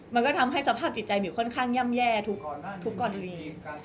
มันก็ทำให้สภาพจิตใจหมิวค่อนข้างย่ำแย่ทุกกรณี